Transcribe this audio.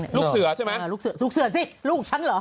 ลูกเสือใช่ไหมลูกเสือสิลูกฉันเหรอ